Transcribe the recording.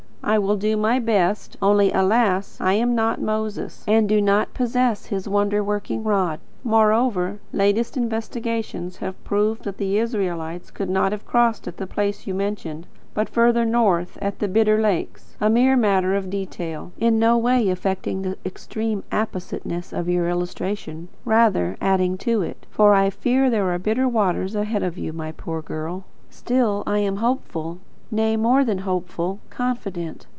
I will do my best, only, alas! I am not Moses, and do not possess his wonder working rod. Moreover, latest investigations have proved that the Israelites could not have crossed at the place you mention, but further north at the Bitter Lakes; a mere matter of detail, in no way affecting the extreme appositeness of your illustration, rather, adding to it; for I fear there are bitter waters ahead of you, my poor girl. Still I am hopeful, nay, more than hopeful, confident.